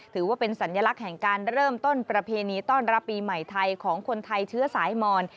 ถือว่าเป็นสัญลักษณ์แห่งการเริ่มต้นประเพณีต้อนรับปีใหม่ไทยของคนไทยเชื้อสายมอน